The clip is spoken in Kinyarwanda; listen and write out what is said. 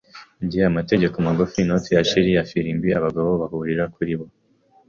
njye - amategeko magufi, inoti ya shrill ya ifirimbi, abagabo bahurira kuri bo